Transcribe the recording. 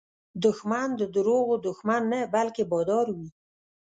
دښمن د دروغو دښمن نه، بلکې بادار وي